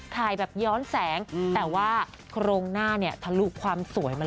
ถ่ายแบบย้อนแสงแต่ว่าโครงหน้าเนี่ยทะลุความสวยมาเลย